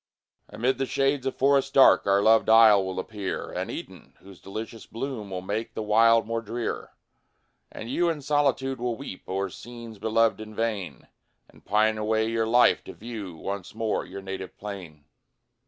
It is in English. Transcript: Amid the shades of forests dark, Our loved isle will appear An Eden, whose delicious bloom Will make the wild more drear. And you in solitude will weep O'er scenes beloved in vain, And pine away your life to view Once more your native plain.